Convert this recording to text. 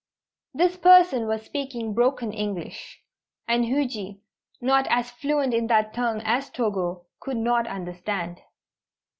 This person was speaking broken English, and Huji, not as fluent in that tongue as Togo, could not understand.